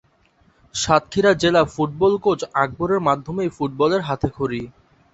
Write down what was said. সাতক্ষীরা জেলা football coach আকবরের মাধ্যমেই ফুটবলের হাতেখড়ি।